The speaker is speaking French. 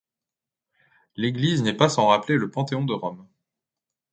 L'église n'est pas sans rappeler le Panthéon de Rome.